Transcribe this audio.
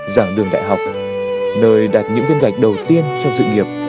giảng đường đại học nơi đặt những viên gạch đầu tiên trong sự nghiệp